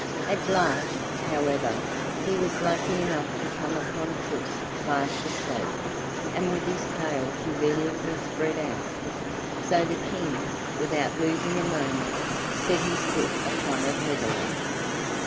At last, however, he was lucky enough to come upon puss fast asleep and with his tail conveniently spread out. So the King, without losing a moment, set his foot upon it heavily.